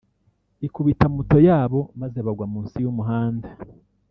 ikubita moto ya bo maze bagwa munsi y’umuhanda